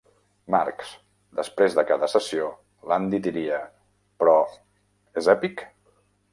Marx: Després de cada sessió, l'Andy diria "Però, és èpic?"